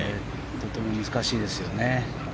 とても難しいですよね。